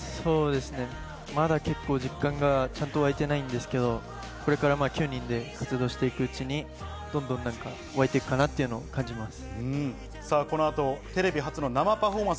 まだ結構実感がちゃんとわいてないですけど、これから９人で出活動していくうちにどんどん湧いていくかなっていうのを感じます。